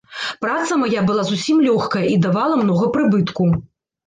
Праца мая была зусім лёгкая і давала многа прыбытку.